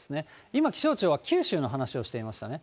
今、気象庁は九州の話をしていましたね。